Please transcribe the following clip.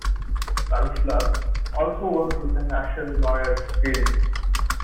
Kunstler also worked with the National Lawyers Guild.